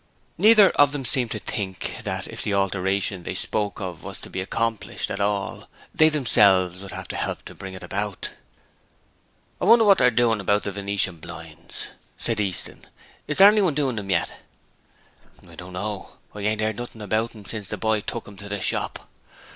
Neither of them seemed to think that if the 'alteration' they spoke of were to be accomplished at all they themselves would have to help to bring it about. 'I wonder what they're doin' about the venetian blinds?' said Easton. 'Is there anyone doin' em yet?' 'I don't know; ain't 'eard nothing about 'em since the boy took 'em to the shop.'